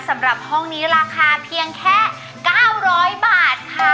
สำหรับห้องนี้ราคาเพียงแค่๙๐๐บาทค่ะ